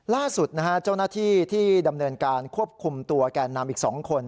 ล่าสุดนะฮะเจ้าหน้าที่ที่ดำเนินการควบคุมตัวแก่นนำอีก๒คน